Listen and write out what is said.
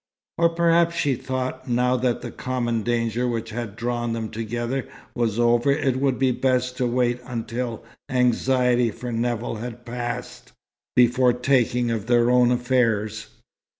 Or perhaps she thought, now that the common danger which had drawn them together, was over, it would be best to wait until anxiety for Nevill had passed, before talking of their own affairs.